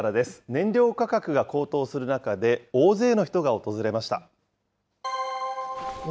燃料価格が高騰する中で、大勢の人が訪れました。